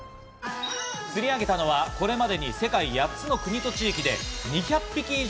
釣り上げたのはこれまでに世界８つの国と地域で２００匹以上。